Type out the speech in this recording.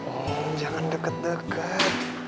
oh jangan deket deket